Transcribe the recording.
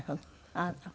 あなたは？